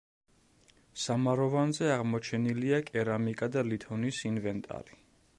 სამაროვანზე აღმოჩენილია კერამიკა და ლითონის ინვენტარი.